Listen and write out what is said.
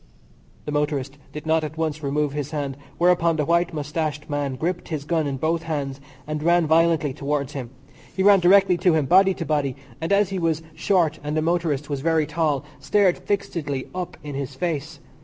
The motorist did not at once remove his hand, whereupon the white moustached man gripped his gun in both hands and ran violently towards him. He ran directly to him, body to body, and, as he was short and the motorist was very tall, stared fixedly up in his face.